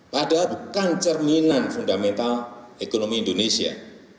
padahal bukan cerminan fundamental ekonomi indonesia